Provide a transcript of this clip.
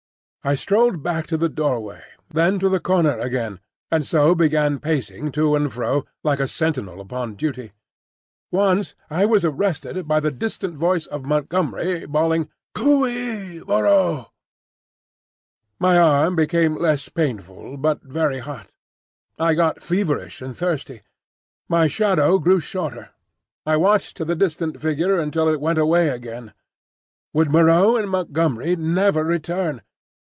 I strolled back to the doorway, then to the corner again, and so began pacing to and fro like a sentinel upon duty. Once I was arrested by the distant voice of Montgomery bawling, "Coo ee—Moreau!" My arm became less painful, but very hot. I got feverish and thirsty. My shadow grew shorter. I watched the distant figure until it went away again. Would Moreau and Montgomery never return?